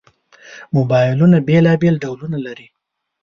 موبایلونه بېلابېل ډولونه لري.